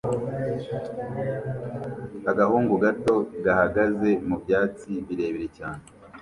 Agahungu gato gahagaze mubyatsi birebire cyane